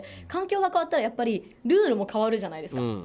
環境が変わったらルールも変わるじゃないですか。